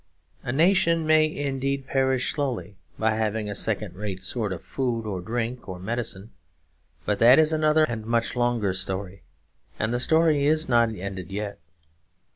A nation may indeed perish slowly by having a second rate sort of food or drink or medicine; but that is another and much longer story, and the story is not ended yet.